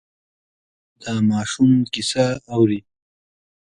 دا ماشوم کیسه اوري.